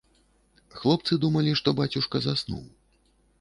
Хлопцы думалі, што бацюшка заснуў.